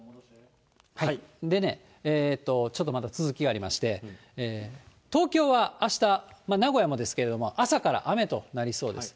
でね、ちょっとまだ続きがありまして、東京はあした、名古屋もですけれども、朝から雨となりそうです。